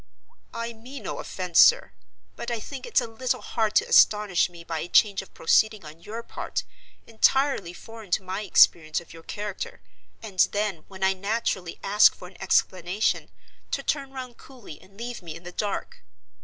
"I mean no offense, sir. But I think it's a little hard to astonish me by a change of proceeding on your part, entirely foreign to my experience of your character—and then, when I naturally ask for an explanation, to turn round coolly and leave me in the dark.